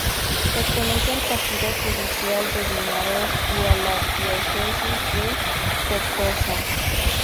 Pertenece al partido judicial de Vinaroz y a la diócesis de Tortosa.